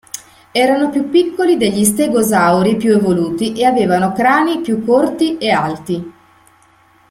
Erano più piccoli degli stegosauri più evoluti e avevano crani più corti e alti.